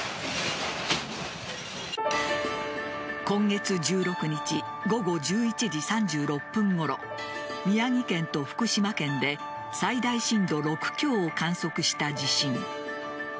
今月１６日午後１１時３６分ごろ宮城県と福島県で最大震度６強を観測した地震。